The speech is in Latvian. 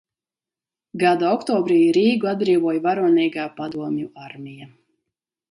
Gada oktobrī Rīgu atbrīvoja varonīgā padomju armija.